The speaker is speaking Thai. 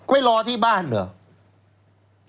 รอที่บ้านเหรอ